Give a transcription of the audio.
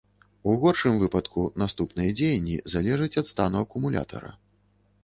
У горшым выпадку наступныя дзеянні залежаць ад стану акумулятара.